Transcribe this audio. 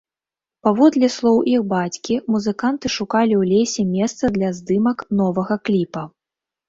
Паводле слоў іх бацькі, музыканты шукалі ў лесе месца для здымак новага кліпа.